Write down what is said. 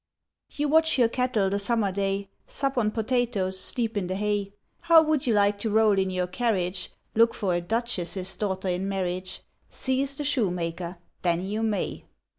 You watch your cattle the summer day, Sup on potatoes, sleep in the hay; How would you like to roll in your carriage, Look for a duchess's daughter in marriage? Seize the Shoemaker then you may!